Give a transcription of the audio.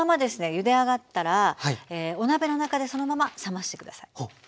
ゆで上がったらお鍋の中でそのまま冷まして下さい。